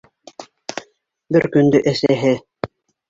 Бер көндө әсәһе: